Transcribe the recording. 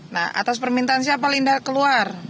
nah atas permintaan siapa linda keluar